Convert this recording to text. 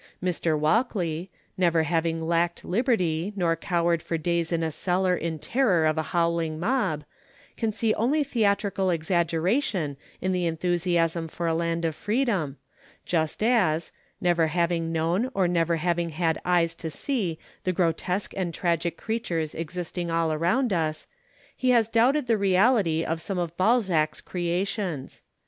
Mr. Walkley, never having lacked Liberty, nor cowered for days in a cellar in terror of a howling mob, can see only theatrical exaggeration in the enthusiasm for a land of freedom, just as, never having known or never having had eyes to see the grotesque and tragic creatures existing all around us, he has doubted the reality of some of Balzac's creations.